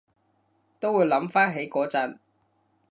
都會諗返起嗰陣